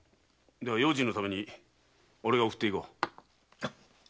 では用心のために俺が送っていこう。